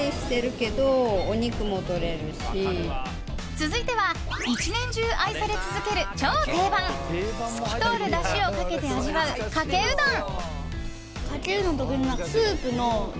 続いては１年中愛され続ける超定番透き通るだしをかけて味わうかけうどん。